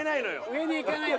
上に行かないのよ。